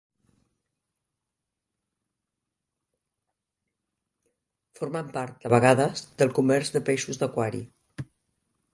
Formen part, de vegades, del comerç de peixos d'aquari.